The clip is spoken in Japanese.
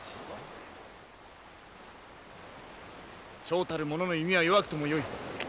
将たる者の弓は弱くともよい。